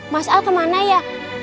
mas al kemana ya